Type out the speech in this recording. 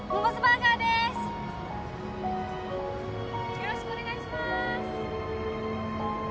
よろしくお願いします